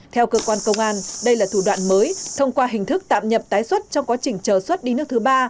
theo cơ quan công an đây là thủ đoạn mới thông qua hình thức tạm nhập tái xuất trong quá trình chờ xuất đi nước thứ ba